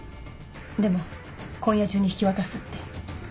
でも今夜中に引き渡すって。